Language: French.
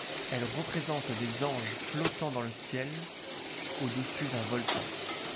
Elle représente des anges flottant dans le ciel, au-dessus d'un volcan.